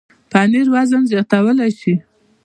پنېر وزن زیاتولی شي.